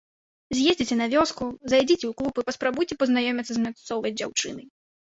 З'ездзіце на вёску, зайдзіце ў клуб і паспрабуйце пазнаёміцца з мясцовай дзяўчынай.